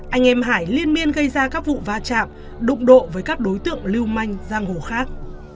anh em hải liên miên gây ra các vụ va chạm đụng độ với các đối tượng lưu manh giang hồ khác